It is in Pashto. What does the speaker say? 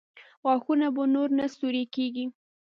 غاښونه به نور نه سوري کېږي؟